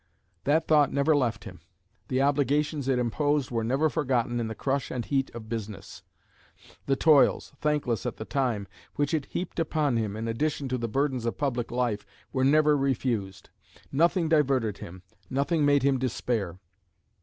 That thought never left him; the obligations it imposed were never forgotten in the crush and heat of business; the toils, thankless at the time, which it heaped upon him in addition to the burdens of public life were never refused. Nothing diverted him, nothing made him despair.